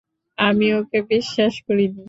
আমি ওকে বিশ্বাস করিনি!